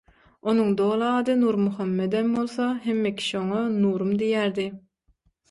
Onuň doly ady Nurmuhammedem bolsa, hemme kişi oňa Nurum diýýärdi.